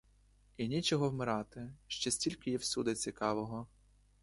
І нічого вмирати, ще стільки є всюди цікавого!